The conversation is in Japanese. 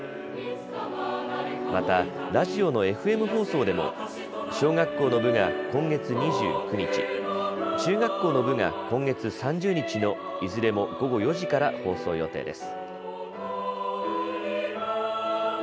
また、ラジオのＦＭ放送でも小学校の部が今月２９日、中学校の部が今月３０日のいずれも午後４時から放送予定です。